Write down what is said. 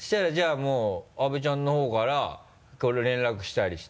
もう阿部ちゃんの方から連絡したりして？